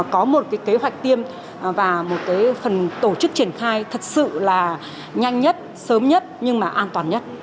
có một cái kế hoạch tiêm và một cái phần tổ chức triển khai thật sự là nhanh nhất sớm nhất nhưng mà an toàn nhất